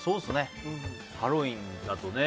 ハロウィーンだとね